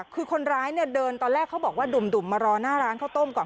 คือคนร้ายเนี่ยเดินตอนแรกเขาบอกว่าดุ่มมารอหน้าร้านข้าวต้มก่อน